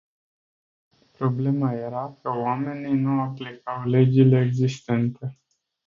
Problema era că oamenii nu aplicau legile existente.